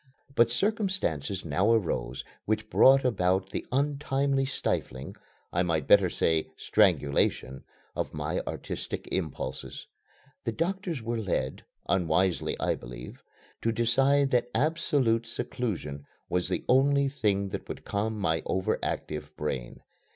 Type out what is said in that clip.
But circumstances now arose which brought about the untimely stifling I might better say strangulation of my artistic impulses. The doctors were led unwisely, I believe to decide that absolute seclusion was the only thing that would calm my over active brain.